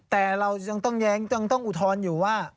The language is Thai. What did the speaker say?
แต่เรายังต้องแย้งยังต้องอุทธรณ์อยู่ว่า